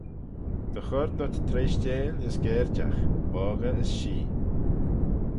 Dy chur dhyt treishteil as gerjagh; boggey as shee.